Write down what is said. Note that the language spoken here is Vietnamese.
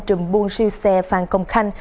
trùm buôn siêu xe phan công khanh